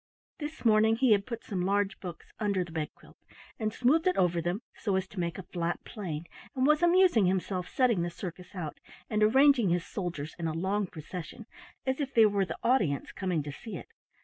This morning he had put some large books under the bedquilt, and smoothed it over them so as to make a flat plane, and was amusing himself setting the circus out, and arranging his soldiers in a long procession as if they were the audience coming to see it.